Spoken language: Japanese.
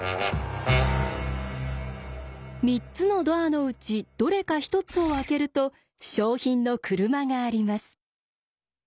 ３つのドアのうちどれか１つを開けると賞品の車があります。